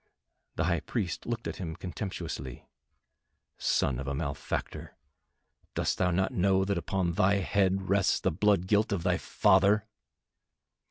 The High Priest looked at him contemptuously. "Son of a malefactor, dost thou not know that upon thy head rests the blood guilt of thy father?"